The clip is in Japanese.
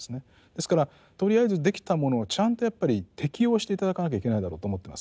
ですからとりあえずできたものをちゃんとやっぱり適用して頂かなきゃいけないだろうと思ってます。